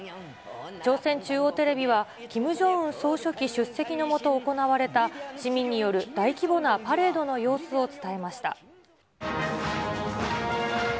朝鮮中央テレビはキム・ジョンウン総書記出席のもと行われた市民による大規模なパレードの様子を伝えました。